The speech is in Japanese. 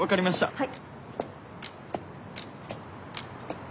はい。